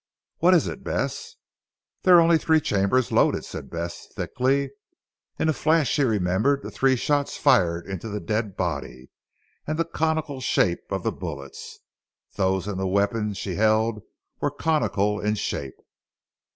What is it Bess?" "There are only three chambers loaded," said Bess thickly. In a flash she remembered the three shots fired into the dead body and the conical shape of the bullets. Those in the weapon she held were conical in shape.